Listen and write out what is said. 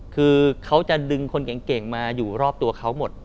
คือเขาจะดึงคนเก่งมาอยู่รอบตัวเขาหมด